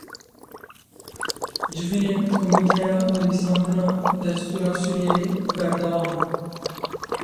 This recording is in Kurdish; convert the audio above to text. Civînên Komîteya Nivîsandina Destûra Sûriyeyê berdewam in.